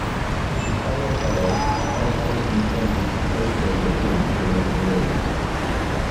With Taliaferro, Osborne has been credited as the co-creator of Huey, Dewey and Louie.